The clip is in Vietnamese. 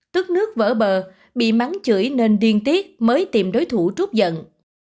tức nước vỡ bờ bị bắn chửi nên điên tiếc mới tìm đối thủ trút giận